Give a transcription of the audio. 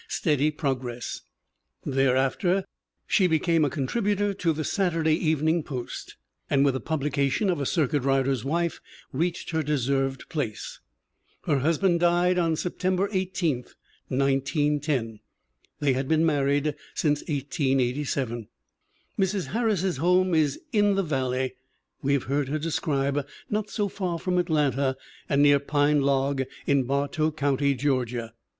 Steady progress, thereafter; she became a con tributor to the Saturday Evening Post and with the publication of A Circuit Rider's Wife reached her deserved place. Her husband died on September 18, 1910. They had been married since 1887. Mrs. Harris's home is in the "valley" we have heard her describe, not so far from Atlanta and near Pine Log, in Bartow county, Georgia.